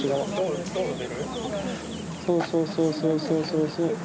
そうそうそうそうそうそうそう